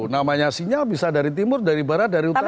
namanya sinyal bisa dari timur dari barat dari utara